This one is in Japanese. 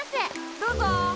どうぞ。